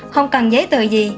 không cần giấy tờ gì